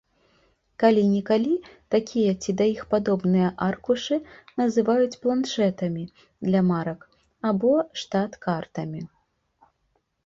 Калі-нікалі такія ці да іх падобныя аркушы называюць планшэтамі для марак або штат-картамі.